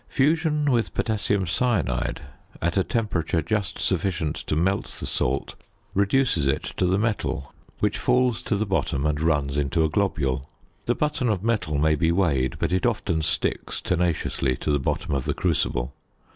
Fusion with potassium cyanide at a temperature just sufficient to melt the salt reduces it to the metal which falls to the bottom and runs into a globule. The button of metal may be weighed, but it often sticks tenaciously to the bottom of the crucible.